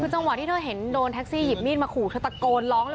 คือจังหวะที่เธอเห็นโดนแท็กซี่หยิบมีดมาขู่เธอตะโกนร้องเลย